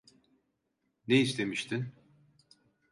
Ne istemiştin?